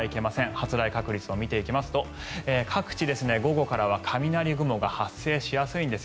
発雷確率を見ていきますと各地、午後からは雷雲が発生しやすいんです。